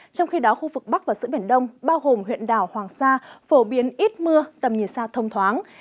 trong khi đó khu vực bắc và sữa biển đông bao gồm huyện đảo hoàng sa phổ biến ít mưa tầm nhìn xa thông thoáng